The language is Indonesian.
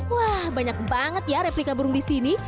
wah banyak banget ya replika burung di sini